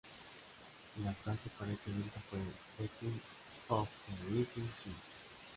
La frase para este evento fue ""Return of the Rising Sun".